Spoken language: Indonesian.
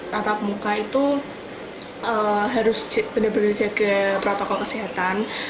tatap muka itu harus benar benar jaga protokol kesehatan